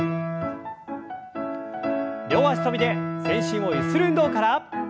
両脚跳びで全身をゆする運動から。